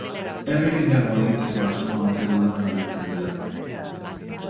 Herri gehiago egiteko asmoa ote dudan galdetzen didate.